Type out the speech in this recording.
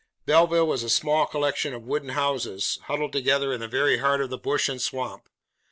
Belleville was a small collection of wooden houses, huddled together in the very heart of the bush and swamp.